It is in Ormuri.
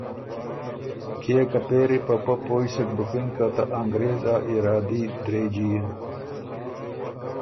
کيې که پېري په پۀ پویٛ سُک بُکِن که ته انګرېز ا ارادي درېجی یِن